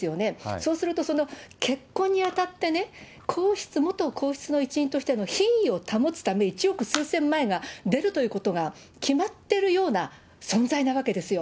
そうするとその結婚にあたってね、皇室、元皇室の一員としての品位を保つために１億数千万円が出るということが決まってるような存在なわけですよ。